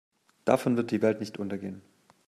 Davon wird die Welt nicht untergehen.